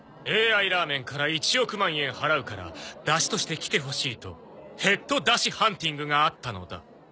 ＡＩラーメンから１億万円払うから出汁として来てほしいとヘッド出汁ハンティングがあったのだ。